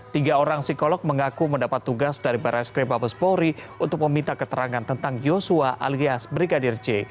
tiga orang psikolog mengaku mendapat tugas dari barat skripabespori untuk meminta keterangan tentang joshua alias brigadir j